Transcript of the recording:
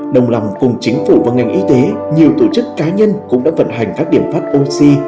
đồng lòng cùng chính phủ và ngành y tế nhiều tổ chức cá nhân cũng đã vận hành các điểm phát oxy